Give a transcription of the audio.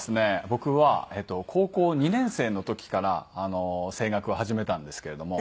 僕は高校２年生の時から声楽を始めたんですけれども。